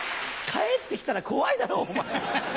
帰って来たら怖いだろお前。